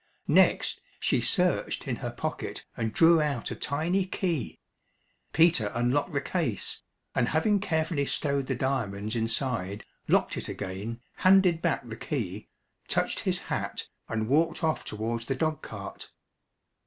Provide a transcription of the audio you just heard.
Next she searched in her pocket and drew out a tiny key. Peter unlocked the case, and having carefully stowed the diamonds inside, locked it again, handed back the key, touched his hat, and walked off towards the dog cart.